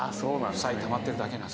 負債たまってるだけなんだ。